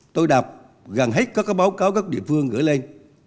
tôi đọc gần hết các báo cáo các địa phương gửi lên